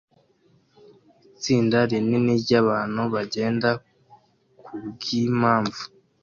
Itsinda rinini ryabantu bagenda kubwimpamvu